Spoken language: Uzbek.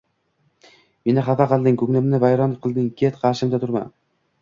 Meni xafa qilding, ko'nglimni vayron qilding. Ket, qarshimda turma.